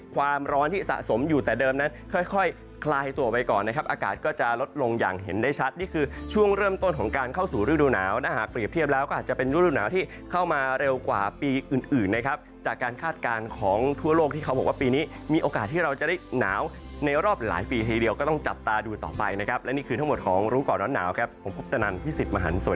ความร้อนที่สะสมอยู่แต่เดิมนั้นค่อยคลายตัวไปก่อนนะครับอากาศก็จะลดลงอย่างเห็นได้ชัดนี่คือช่วงเริ่มต้นของการเข้าสู่ฤดูหนาวนะครับเปรียบเทียบแล้วก็จะเป็นฤดูหนาวที่เข้ามาเร็วกว่าปีอื่นนะครับจากการคาดการณ์ของทั่วโลกที่เขาบอกว่าปีนี้มีโอกาสที่เราจะได้หนาวในรอบหลายปีทีเดียวก็ต้องจัดตาดูต